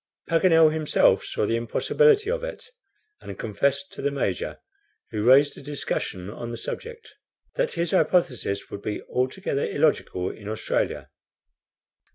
Paganel himself saw the impossibility of it, and confessed to the Major, who raised a discussion on the subject, that his hypothesis would be altogether illogical in Australia.